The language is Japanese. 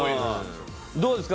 どうですか？